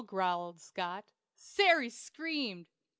growled Scott. Sary screamed.